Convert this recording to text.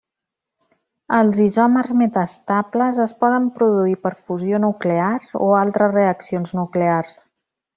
Els isòmers metaestables es poden produir per fusió nuclear o altres reaccions nuclears.